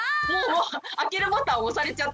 開けるボタン押されちゃって。